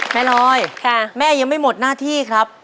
แม่น้อยค่ะแม่ยังไม่หมดหน้าที่ครับ